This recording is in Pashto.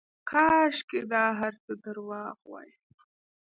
کاشکې دا هرڅه درواغ واى.